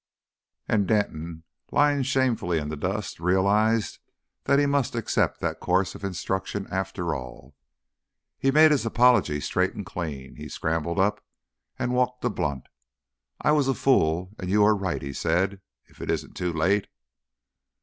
And Denton, lying shamefully in the dust, realised that he must accept that course of instruction after all. He made his apology straight and clean. He scrambled up and walked to Blunt. "I was a fool, and you are right," he said. "If it isn't too late